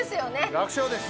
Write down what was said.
楽勝です